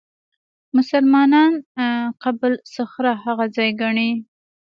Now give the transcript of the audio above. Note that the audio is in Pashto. مسلمانان قبه الصخره هغه ځای ګڼي.